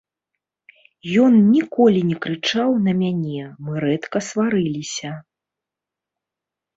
Ён ніколі не крычаў на мяне, мы рэдка сварыліся.